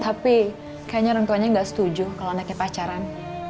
tapi kayaknya orang tuanya nggak setuju kalau anaknya pacaran